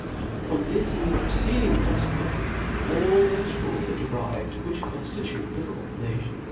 From this and the preceding principle all thofe rules are derived which conftitute thtlaw of nations.